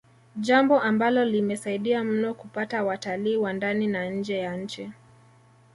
Jambo ambalo limesaidia mno kupata watalii wa ndani na nje ya nchi